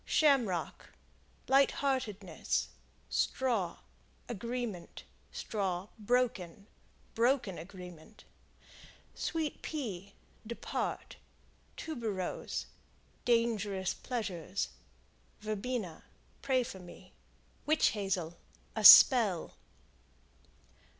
Shamrock Lightheartedness. Straw Agreement. Straw, Broken Broken agreement. Sweet Pea Depart. Tuberose Dangerous pleasures. Verbena Pray for me. Witch Hazel A spell.